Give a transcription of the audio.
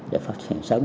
để phát hiện sớm